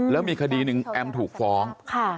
แล้วมีคดีหนึ่งแอมถูกฟ้อง